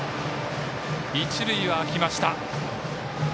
一塁は空きました。